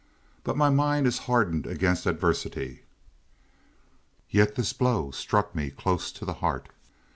But my mind is hardened against adversity. "Yet this blow struck me close to the heart.